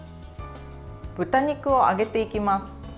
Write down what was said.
豚肉を揚げていきます。